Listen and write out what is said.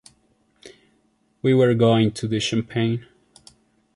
We were going to the Champagne.